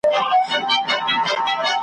یم ولاړ په خپلو مټو مالامال یم